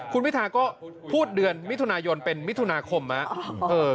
คุณพิทาก็พูดเดือนมิถุนายนเป็นมิถุนาคมครับ